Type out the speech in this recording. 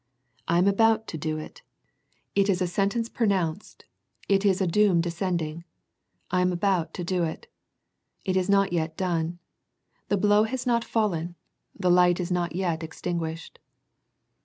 I am about to do it. It is a sentence pronounced, The Laodicea Letter 205 it is a doom descending. I am about to do it. It is not yet done. The blow has not fallen. The light is not yet extinguished.